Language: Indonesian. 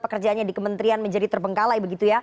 pekerjaannya di kementerian menjadi terbengkalai